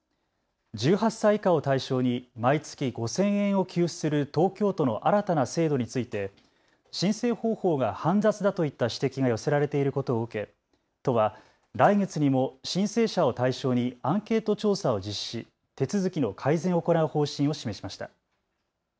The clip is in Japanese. １８歳以下を対象に毎月５０００円を給付する東京都の新たな制度について申請方法が煩雑だといった指摘が寄せられていることを受け都は来月にも申請者を対象にアンケート調査を実施し手続きの改善を行う方針を示しました。